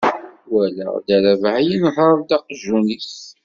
Walaɣ dda Rabeḥ yenher-d aqjun-is.